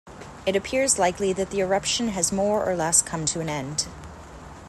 It appears likely that the eruption has more or less come to an end.